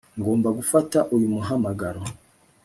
Ngomba gufata uyu muhamagaro